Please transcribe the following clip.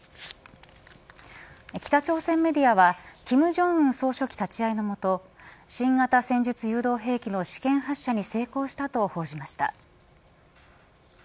北朝鮮メディアは金正恩総書記立ち会いの下新型戦術誘導兵器の試験発射に成功したと報じました。